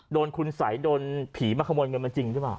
โดนคุณสัยโดนผีมาขโมยเงินมาจริงหรือเปล่า